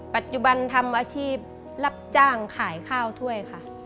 ปัจจุบันทำอาชีพรับจ้างขายข้าวถ้วยค่ะ